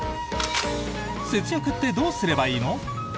節約ってどうすればいいの？